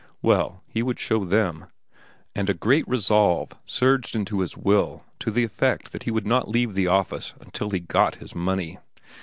Well, he would show them. And a great resolve surged into his will to the effect that he would not leave the office until he got his money.